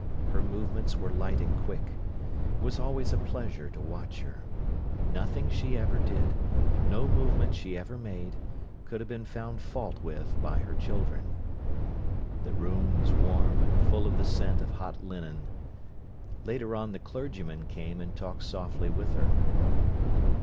Her movements were light and quick. It was always a pleasure to watch her. Nothing she ever did, no movement she ever made, could have been found fault with by her children. The room was warm and full of the scent of hot linen. Later on the clergyman came and talked softly with her.